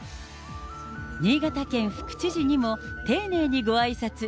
新潟県副知事にも丁寧にごあいさつ。